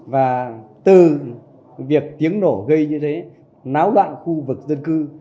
và từ việc tiếng nổ gây như thế náo đoạn khu vực dân cư